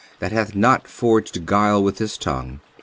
He that hath not forged guile with his tongue.